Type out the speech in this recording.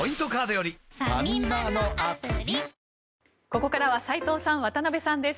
ここからは斎藤さん、渡辺さんです。